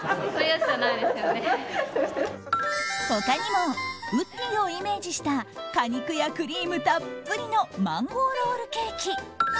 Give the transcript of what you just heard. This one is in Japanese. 他にもウッディをイメージした果肉やクリームたっぷりのマンゴーロールケーキ